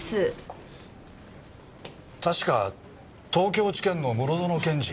確か東京地検の室園検事。